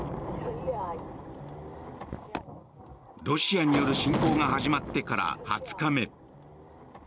ロシアによる侵攻が始まってから２０日目。